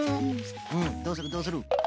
うんどうするどうする？